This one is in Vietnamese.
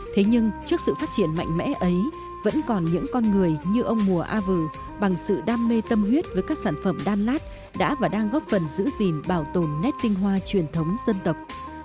thế nhưng trước sự phát triển mạnh mẽ ấy vẫn còn những con người như ông mùa a vừ bằng sự đam mê tâm huyết với các sản phẩm đan lát đã và đang góp phần giữ gìn bảo tồn nét tinh hoa truyền thống dân tộc